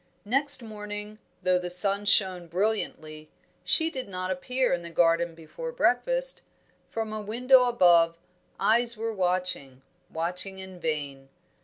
Next morning, though the sun shone brilliantly, she did not appear in the garden before breakfast. From a window above, eyes were watching, watching in vain.